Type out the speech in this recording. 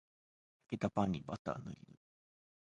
焼けたパンにバターぬりぬり